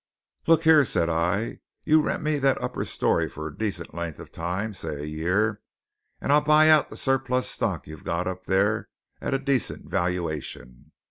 "'Look here,' said I, 'you rent me that upper story for a decent length of time say a year and I'll buy out the surplus stock you've got up there at a decent valuation.'